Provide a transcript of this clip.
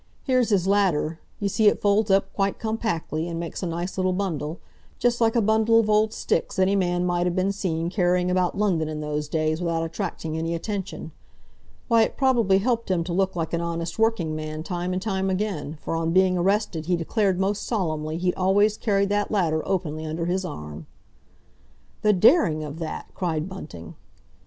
Here's his ladder; you see it folds up quite compactly, and makes a nice little bundle—just like a bundle of old sticks any man might have been seen carrying about London in those days without attracting any attention. Why, it probably helped him to look like an honest working man time and time again, for on being arrested he declared most solemnly he'd always carried that ladder openly under his arm." "The daring of that!" cried Bunting.